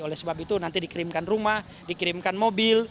oleh sebab itu nanti dikirimkan rumah dikirimkan mobil